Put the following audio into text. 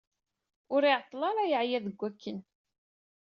Ur iɛeṭṭel ara yeɛya deg akken.